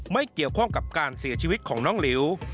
ไม่เกี่ยวข้องกับการเสียชีวิตของน้องหลิว